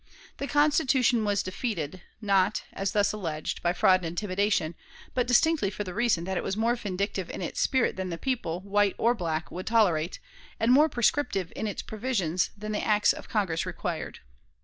The Constitution was defeated, not, as thus alleged, by fraud and intimidation, but distinctly for the reason that it was more vindictive in its spirit than the people, white or black, would tolerate, and more prescriptive in its provisions than the acts of Congress required.